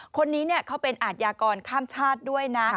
คนนี้เขาเป็นอาทยากรข้ามชาติด้วยนะ